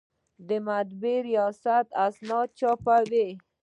د مطبعې ریاست اسناد چاپوي